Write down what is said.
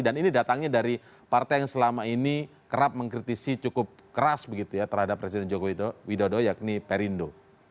dan ini datangnya dari partai yang selama ini kerap mengkritisi cukup keras begitu ya terhadap presiden joko widodo yakni perindo